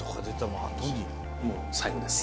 もう最後です。